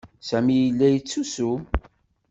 Sami yella yettusu.